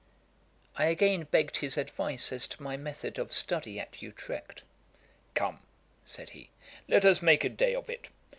"' I again begged his advice as to my method of study at Utrecht. 'Come, (said he) let us make a day of it.